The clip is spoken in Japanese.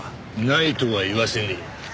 ないとは言わせねえ。